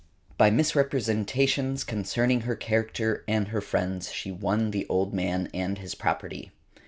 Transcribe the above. |143| By misrepresentations concerning her character and her friends she won the old man and his property.